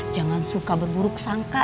jangan suka berburuk sangka